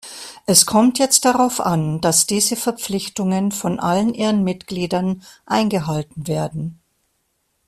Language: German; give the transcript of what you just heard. Es kommt jetzt darauf an, dass diese Verpflichtungen von allen ihren Mitgliedern eingehalten werden.